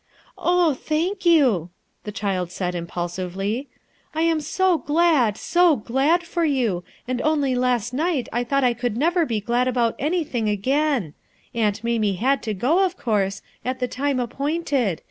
"Oh, thank you/' the child said impulsively. " I am so glad, £o (jlad for you 1 and only last night I thought I could never be glad about any thing again 1 Aunt Mamie had to go, of course, 274 RUTII ERSKINE'S SON at the time appointed.